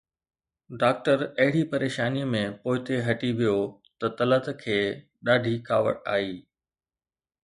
doctor اهڙي پريشانيءَ ۾ پوئتي هٽي ويو ته طلعت کي ڏاڍي ڪاوڙ آئي